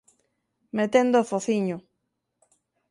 ...metendo o fociño.